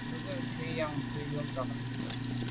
Bwɔ́ŋkə́ʼ kɔ̌ nə̀ nyǎŋsá nú mbàŋ rə̌ nə̀tùp.